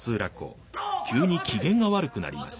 急に機嫌が悪くなります。